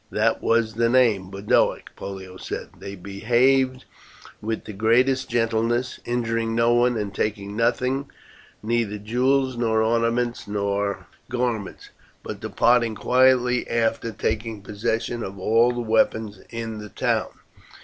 "That was the name Boduoc," Pollio said. "They behaved with the greatest gentleness, injuring no one and taking nothing, neither jewels, nor ornaments, nor garments, but departing quietly after taking possession of all the weapons in the town.